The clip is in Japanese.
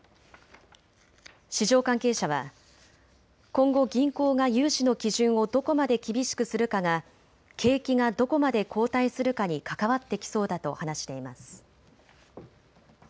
市場関係者は今後、銀行が融資の基準をどこまで厳しくするかが景気がどこまで後退するかに関わってきそうだと話しています。